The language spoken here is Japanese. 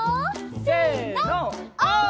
せのオ！